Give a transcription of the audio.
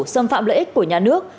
xâm phạm lợi ích của nhà nước